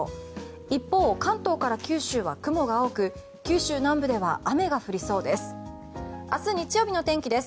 一方、関東から九州は雲が多く九州南部では雨が降りそうです。